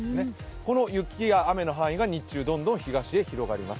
この雪や雨の範囲が日中どんどん東へ広がります。